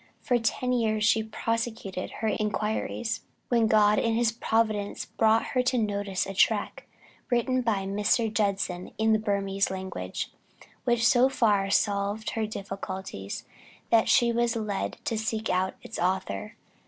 For ten years she prosecuted her inquiries, when God in his providence brought to her notice a tract written by Mr. Judson in the Burmese language, which so far solved her difficulties, that she was led to seek out its author.